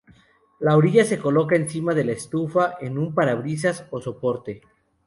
La olla se coloca encima de la estufa, en un parabrisas o soporte.